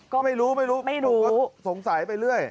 ก็ไม่รู้ผมก็สงสัยไปเรื่อย